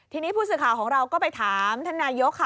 ทีนี้ผู้สื่อข่าวของเราก็ไปถามท่านนายกค่ะ